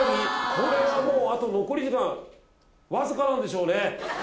これはもうあと残り時間わずかなんでしょうね。